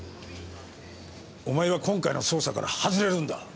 お前は今回の捜査から外れるんだ。